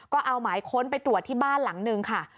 ก็เอาหมายค้นไปตรวจที่บ้านหลังนึงค่ะ